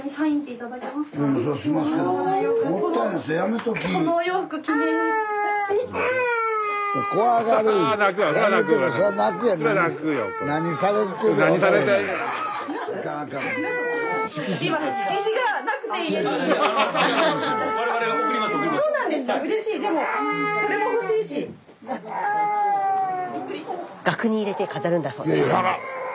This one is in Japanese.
スタジオ額に入れて飾るんだそうです。